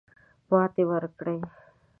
ماته ورکړي.